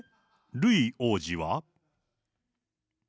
ルイ王子は？